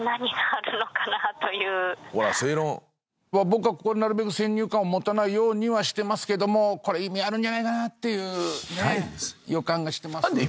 僕はなるべく先入観を持たないようにはしてますけどこれ意味あるんじゃないかなっていうね